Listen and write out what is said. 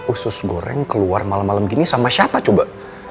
usus goreng keluar malem malem gini sama siapa coba